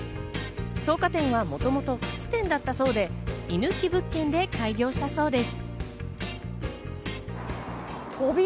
草加店はもともと靴店だったそうで、居抜き物件で開業したそうです。